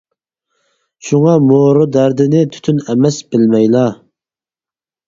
شۇڭا مورا دەردىنى، تۈتۈن ئەمەس، بىلمەيلا.